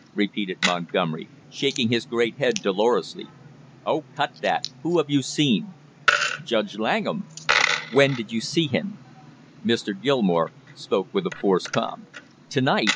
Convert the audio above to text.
repeated Montgomery, shaking his great head dolorously. "Oh, cut that! Who have you seen?" "Judge Langham." "When did you see him?" Mr. Gilmore spoke with a forced calm. "To night.